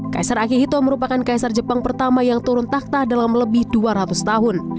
kaisar akihito merupakan kaisar jepang pertama yang turun tak dalam lebih dua ratus tahun